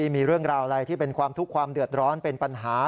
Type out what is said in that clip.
มีเรื่องราวอะไรที่เป็นความทุกข์ความเดือดร้อนเป็นปัญหา